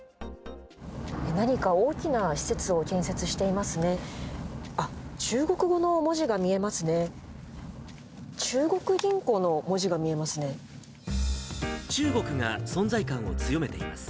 何か大きな施設を建設していますね。